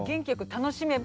楽しめば。